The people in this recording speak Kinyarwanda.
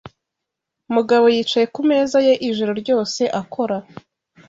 Mugabo yicaye ku meza ye ijoro ryose akora.